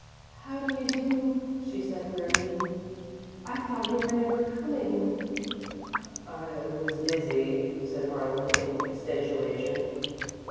"How do you do," she said, wearily. "I thought you were never coming." "I was busy," said Harlan, in extenuation.